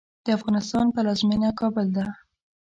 د افغانستان پلازمېنه کابل ده